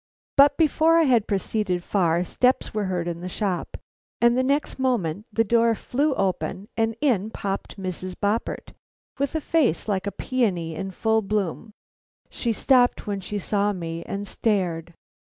But before I had proceeded far, steps were heard in the shop, and the next moment the door flew open and in popped Mrs. Boppert, with a face like a peony in full blossom. She stopped when she saw me and stared.